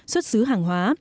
xuất xứ hàng hóa